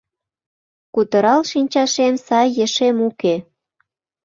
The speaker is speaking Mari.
Кутырал шинчашем сай ешем уке.